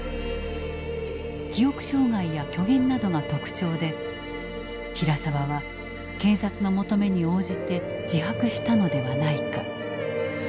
記憶障害や虚言などが特徴で平沢は検察の求めに応じて自白したのではないか。